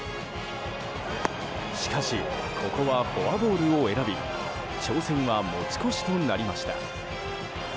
しかし、ここはフォアボールを選び挑戦は持ち越しとなりました。